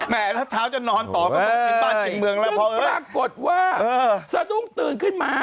แหมถ้าเช้าจะนอนต่อก็ต้องไปบ้านเกี่ยวกับเมืองแล้วซึ่งปรากฏว่าสดุ้งตื่นขึ้นมา